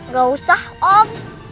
gak usah om